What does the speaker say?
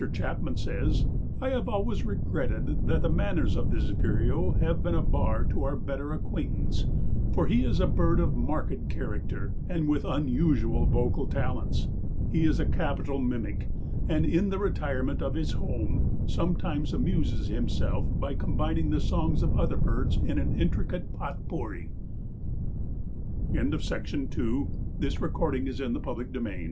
Chapman says: "I have always regretted that the manners of this vireo have been a bar to our better acquaintance, for he is a bird of marked character and with unusual vocal talents. He is a capital mimic, and in the retirement of his home sometimes amuses himself by combining the songs of other birds in an intricate